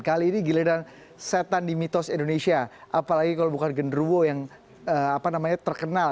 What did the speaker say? kali ini giliran setan di mitos indonesia apalagi kalau bukan genruwo yang terkenal